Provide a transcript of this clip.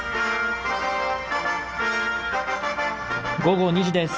午後２時です。